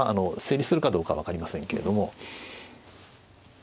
成立するかどうかは分かりませんけれども。